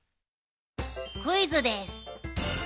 クイズです。